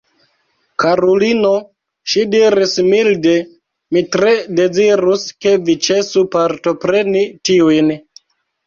Karulino, ŝi diris milde, mi tre dezirus, ke vi ĉesu partopreni tiujn.